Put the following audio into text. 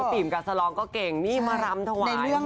ปี่มกับสลองก็เก่งนี่มารำถวาย